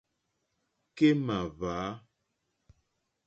Kémà hwǎ.